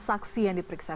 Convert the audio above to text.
saksi yang diperiksa